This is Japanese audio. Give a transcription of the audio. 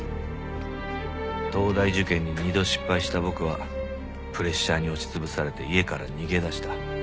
東大受験に二度失敗した僕はプレッシャーに押し潰されて家から逃げ出した。